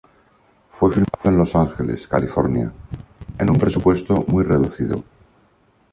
Fue filmado en Los Ángeles, California, en un presupuesto muy reducido.